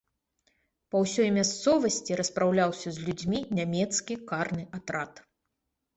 Па ўсёй мясцовасці распраўляўся з людзьмі нямецкі карны атрад.